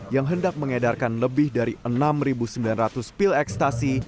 yang hendak mengedarkan lebih dari enam sembilan ratus pil ekstasi